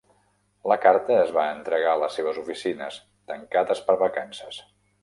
La carta es va entregar a les seves oficines, tancades per vacances.